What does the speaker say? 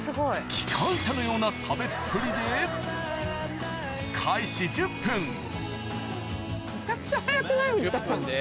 機関車のような食べっぷりでめちゃくちゃ早くないですか？